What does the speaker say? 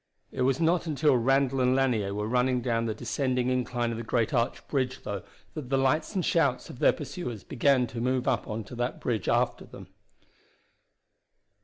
It was not until Randall and Lanier were running down the descending incline of the great arched bridge, though, that the lights and shouts of their pursuers began to move up on that bridge after them.